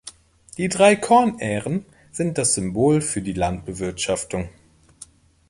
Die drei Kornähren sind das Symbol für die Landbewirtschaftung.